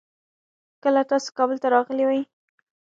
کله تاسو کابل ته راغلې وي؟